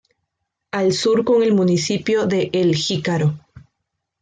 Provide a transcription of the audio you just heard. Al sur con el municipio de El Jícaro.